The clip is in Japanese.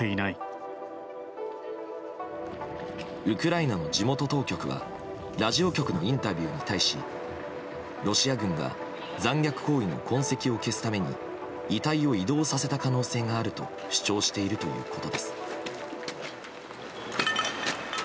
ウクライナの地元当局はラジオ局のインタビューに対しロシア軍が残虐行為の痕跡を消すために遺体を移動させた可能性があると主張しているということです。